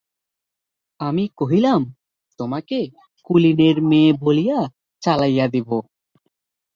আমি কহিলাম, তোমাকে কুলীনের মেয়ে বলিয়া চালাইয়া দিব।